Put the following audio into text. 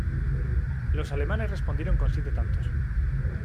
Los alemanes respondieron con siete tantos.